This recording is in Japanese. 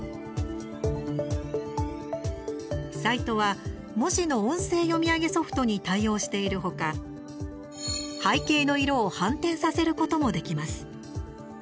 サイトは文字の音声読み上げソフトに対応しているほか背景の色を反転させることもできます。